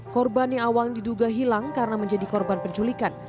korban yang awal diduga hilang karena menjadi korban penculikan